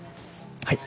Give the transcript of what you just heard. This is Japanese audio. はい。